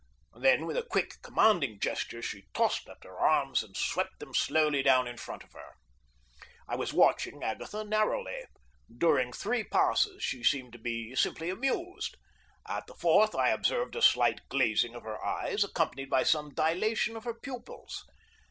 Then with a quick, commanding gesture she tossed up her arms and swept them slowly down in front of her. I was watching Agatha narrowly. During three passes she seemed to be simply amused. At the fourth I observed a slight glazing of her eyes, accompanied by some dilation of her pupils.